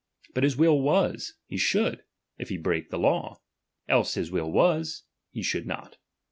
But bis will was, he should, if he brake the law ; else his will was, he should not.